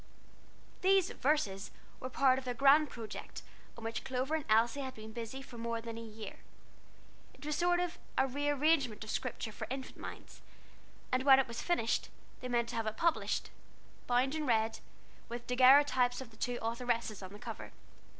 These "Verses" were part of a grand project on which Clover and Elsie had been busy for more than a year. It was a sort of rearrangement of Scripture for infant minds; and when it was finished, they meant to have it published, bound in red, with daguerreotypes of the two authoresses on the cover.